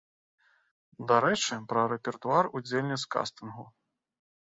Дарэчы, пра рэпертуар удзельніц кастынгу.